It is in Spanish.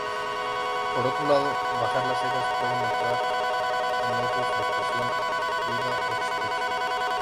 Por otro lado bajar las cejas puede denotar enojo, frustración, duda o sospecha.